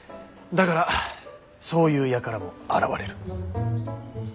だからそういう輩も現れる。